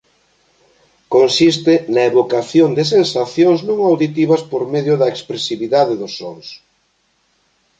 Consiste na evocación de sensacións non auditivas por medio da expresividade dos sons.